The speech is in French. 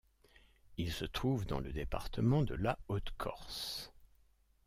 Il se trouve dans le département de la Haute-Corse.